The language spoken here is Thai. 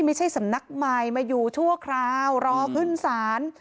ไม่ใช่สำนักไมค์มายูทั่วคราวรอขึ้นสาร